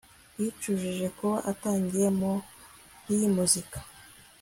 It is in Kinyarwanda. Yicujije kuba atagiye muri muzika